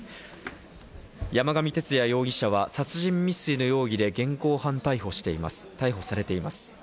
山上徹也容疑者は殺人未遂の容疑で現行犯逮捕されています。